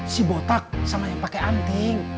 si botak sama yang pakai anting